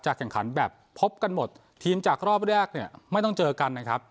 แข่งขันแบบพบกันหมดทีมจากรอบแรกเนี่ยไม่ต้องเจอกันนะครับ